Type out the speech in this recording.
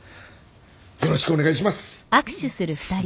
よろしくお願いします。